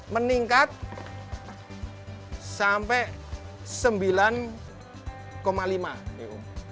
meningkat sampai sembilan lima